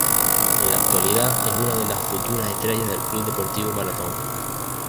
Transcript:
En la actualidad es una de las futuras estrellas del Club Deportivo Marathón.